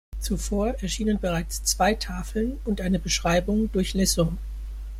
Zuvor erschienen bereits zwei Tafeln und eine Beschreibung durch Lesson.